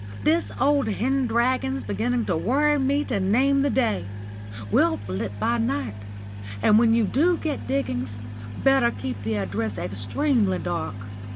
"This old hen dragon's beginning to worry me to name the day. We'll flit by night. And when you do get diggings, better keep the address extremely dark.